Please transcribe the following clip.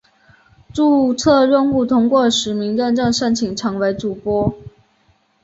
注册用户通过实名认证申请成为主播。